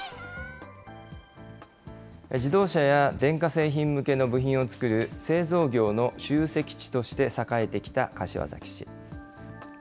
自動車や電化製品向けの部品を作る製造業の集積地として栄えてきた柏崎市。